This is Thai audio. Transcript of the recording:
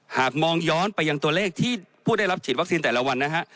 หากมองย้อนไปยังตัวเลขที่ผู้ได้รับฉีดวัคซีนแต่ละวันนะฮะ